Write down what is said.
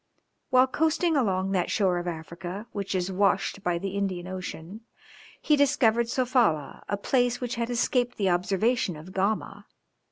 While coasting along that shore of Africa, which is washed by the Indian Ocean, he discovered Sofala, a place which had escaped the observation of Gama.